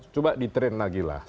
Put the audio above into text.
coba di tren lagi lah